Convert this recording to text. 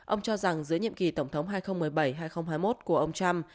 ông cho rằng giữa nhiệm kỳ tổng thống hai nghìn một mươi bảy hai nghìn hai mươi một của ông trump